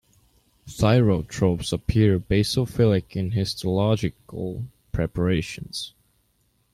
Thyrotropes appear basophilic in histological preparations.